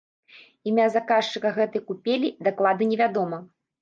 Імя заказчыка гэтай купелі дакладна невядома.